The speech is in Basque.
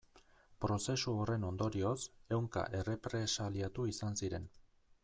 Prozesu horren ondorioz, ehunka errepresaliatu izan ziren.